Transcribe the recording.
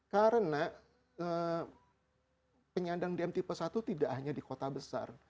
karena penyandang dm tipe satu tidak hanya di kota besar